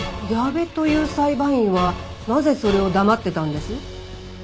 矢部という裁判員はなぜそれを黙ってたんです？